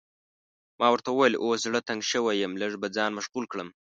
ما ورته وویل اوس زړه تنګ شوی یم، لږ به ځان مشغول کړم.